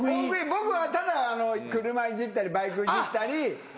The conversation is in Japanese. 僕はただ車いじったりバイクいじったり。